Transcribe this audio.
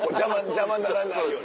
邪魔にならないように。